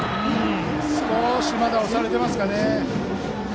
少し押されていますかね。